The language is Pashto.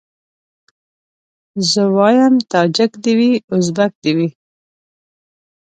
زه وايم تاجک دي وي ازبک دي وي